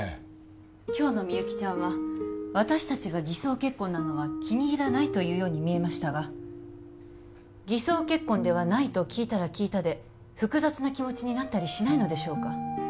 今日のみゆきちゃんは私達が偽装結婚なのは気に入らないというように見えましたが偽装結婚ではないと聞いたら聞いたで複雑な気持ちになったりしないのでしょうか？